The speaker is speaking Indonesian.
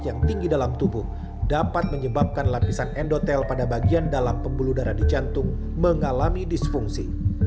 yang tinggi dalam tubuh dapat menyebabkan lapisan endotel pada bagian dalam pembuluh darah di jantung mengalami disfungsi